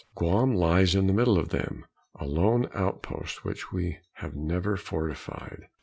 Guam lies in the middle of them a lone outpost which we have never fortified.